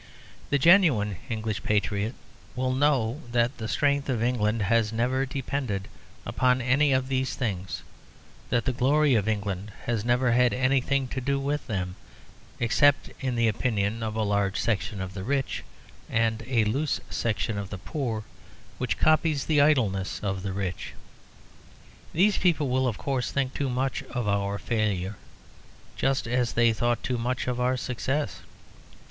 The genuine English patriot will know that the strength of England has never depended upon any of these things; that the glory of England has never had anything to do with them, except in the opinion of a large section of the rich and a loose section of the poor which copies the idleness of the rich. These people will, of course, think too much of our failure, just as they thought too much of our success.